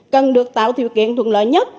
cần được tạo điều kiện thuận lợi nhất